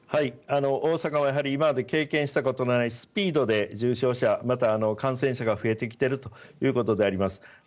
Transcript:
大阪は今まで経験したことのないスピードで重症者、また感染者が増えてきているということであります。